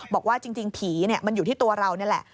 บอกว่าจริงผีมันอยู่ที่ตัวเรานี่แหละ